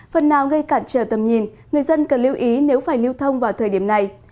phần nào gây cản trở tầm nhìn người dân cần lưu ý nếu phải lưu thông vào thời điểm này